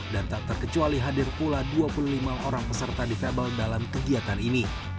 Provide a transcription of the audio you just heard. dan tak terkecuali hadir pula dua puluh lima orang peserta di febal dalam kegiatan ini